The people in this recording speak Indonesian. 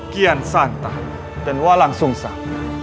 kian santah dan walang sungsang